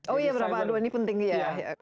oh iya berapa dua ini penting ya